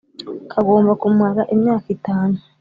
kagomba kumara imyaka itanu.